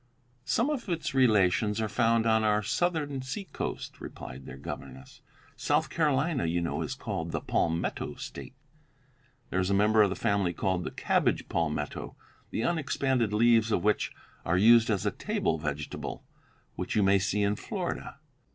"Some of its relations are found on our Southern seacoast," replied their governess; "South Carolina, you know, is called 'the Palmetto State.' There is a member of the family called the cabbage palmetto, the unexpanded leaves of which are used as a table vegetable, which you may see in Florida.